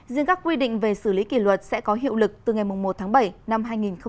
riêng các quy định về xử lý kỷ luật sẽ có hiệu lực từ ngày một tháng bảy năm hai nghìn hai mươi